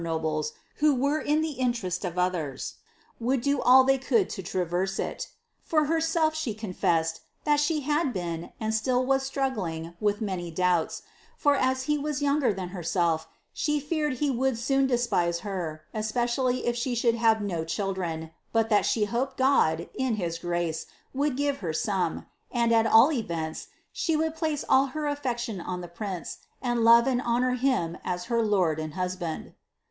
nobles, who wrre in the iniereeU of others, would do all tbev conld tiaveref it. For herself, bUs confeaaett, iKal slie had beetle and elill « itmg^luig with many doubts; for as he was youuger than herself, « feared thai lie would soon despise Iter, especially if she should have children, but that she hoped God, in his gnce, would give her son) and, at all events, she would place all her adectiuo on llie prince, a love and honour him an her lord and husband.'"